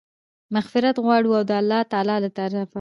مغفرت غواړي، او د الله تعالی د طرفه